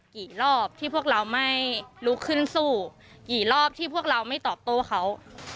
กี่รอบที่พวกเราไม่ลุกขึ้นสู้กี่รอบที่พวกเราไม่ตอบโต้เขา